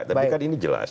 tapi kan ini jelas